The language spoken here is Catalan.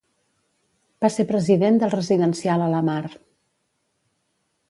Va ser president del residencial Alamar.